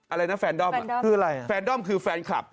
อะไรนะแฟนด้อมคืออะไรแฟนด้อมคือแฟนคลับ